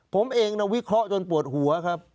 ผมเองวิเคราะห์จนปวดหัวครับ